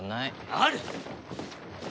ある！